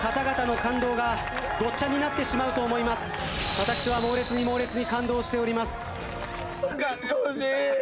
私は猛烈に猛烈に感動しております。